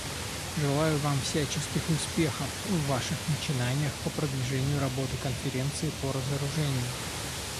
Желаю вам всяческих успехов в ваших начинаниях по продвижению работы Конференции по разоружению.